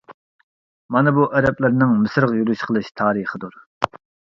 مانا بۇ ئەرەبلەرنىڭ مىسىرغا يۈرۈش قىلىش تارىخىدۇر.